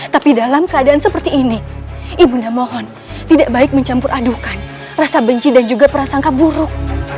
tapi dalam keadaan seperti ini ibunda mohon tidak baik mencampur adukan rasa benci dan juga prasangka buruk